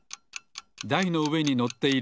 だいのうえにのっている